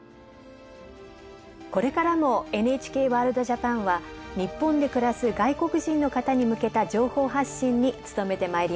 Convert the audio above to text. これからも「ＮＨＫワールドＪＡＰＡＮ」は日本で暮らす外国人の方に向けた情報発信に努めてまいります。